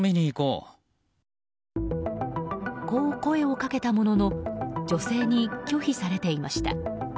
こう声をかけたものの女性に拒否されていました。